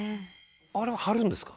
「あれは貼るんですか？」